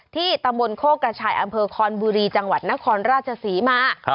ที่ตำบลโคกกระชายอำเภอคอนบุรีจังหวัดนครราชศรีมา